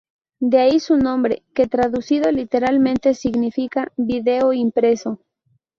De ahí su nombre, que traducido literalmente significa vídeo impreso.